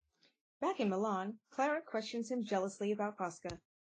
Back in Milan, Clara questions him jealously about Fosca.